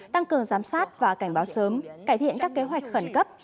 tăng cường giám sát và cảnh báo sớm cải thiện các kế hoạch khẩn cấp